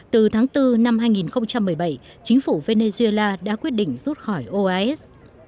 từ tháng bốn năm hai nghìn một mươi bảy chính phủ venezuela đã quyết định rút khỏi oas